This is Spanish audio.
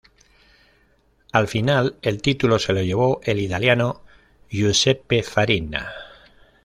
Al final el título se lo llevó el italiano Giuseppe Farina.